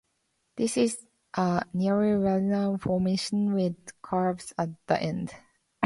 This is a nearly linear formation with curves at the end.